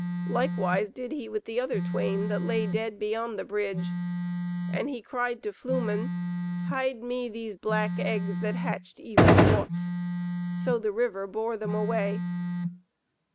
Likewise did he with the other twain that lay dead beyond the bridge. And he cried to Flumen, "Hide me these black eggs that hatched evil thoughts." So the river bore them away.